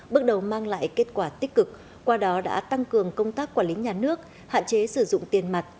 bước đầu mang lại kết quả tích cực qua đó đã tăng cường công tác quản lý nhà nước hạn chế sử dụng tiền mặt